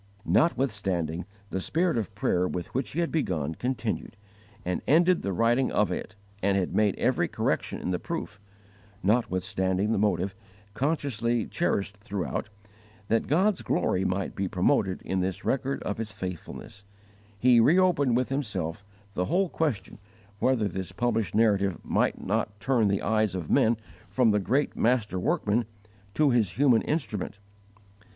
Notwithstanding the spirit of prayer with which he had begun, continued, and ended the writing of it and had made every correction in the proof; notwithstanding the motive, consciously cherished throughout, that God's glory might be promoted in this record of His faithfulness, he reopened with himself the whole question whether this published Narrative might not turn the eyes of men from the great Master Workman to His human instrument.